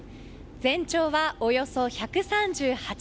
全長はおよそ１３８ｍ。